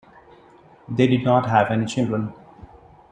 They did not have any children.